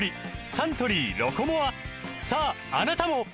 サントリー「ロコモア」さああなたも！